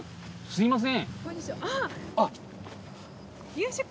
すみません。